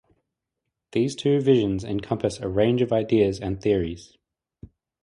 These two visions encompass a range of ideas and theories.